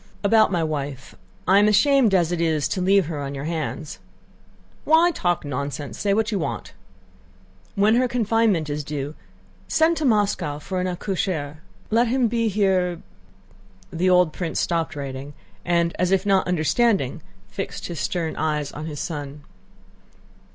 "About my wife... I am ashamed as it is to leave her on your hands...." "Why talk nonsense? Say what you want." "When her confinement is due, send to Moscow for an accoucheur.... Let him be here...." The old prince stopped writing and, as if not understanding, fixed his stern eyes on his son.